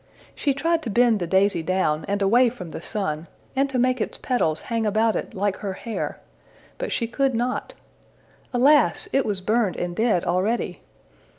She tried to bend the daisy down and away from the sun, and to make its petals hang about it like her hair, but she could not. Alas! it was burned and dead already!